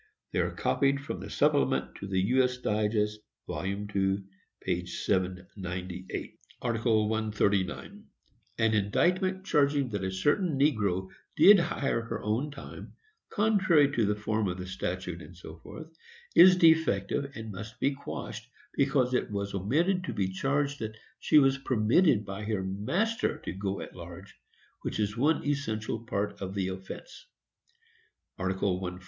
They are copied from the Supplement to the U. S. Digest, vol. II. p. 798: [Sidenote: The State v. Clarissa. 5 Iredell, 221.] 139. An indictment charging that a certain negro did hire her own time, contrary to the form of the statute, &c., is defective and must be quashed, because it was omitted to be charged that she was permitted by her master to go at large, which is one essential part of the offence. 140.